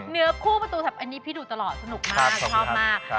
เนื้อคู่ประตูอันนี้พี่ดูตลอดสนุกมากชอบมาก